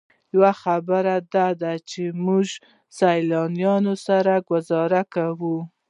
یوه خبره ده چې موږ سیلانیانو سره ګوزاره کوئ.